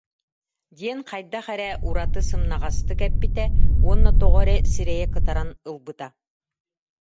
диэн хайдах эрэ ураты сымнаҕастык эппитэ уонна тоҕо эрэ сирэйэ кытаран ылбыта